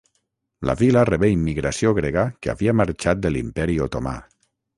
La vila rebé immigració grega que havia marxat de l'Imperi Otomà.